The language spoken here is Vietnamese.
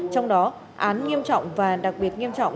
trong đó án nghiêm trọng và đặc biệt nghiêm trọng